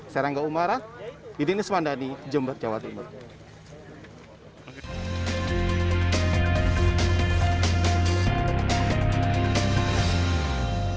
saya rangga umarah idnis mandani jember jawa tenggara